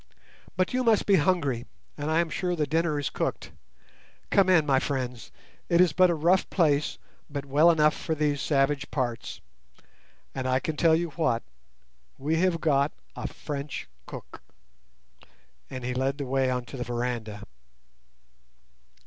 But you must be hungry, and I am sure the dinner is cooked. Come in, my friends; it is but a rough place, but well enough for these savage parts; and I can tell you what, we have got—a French cook." And he led the way on to the veranda.